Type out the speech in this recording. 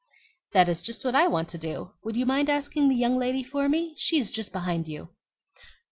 "That is just what I want to do. Would you mind asking the young lady for me? She is just behind you."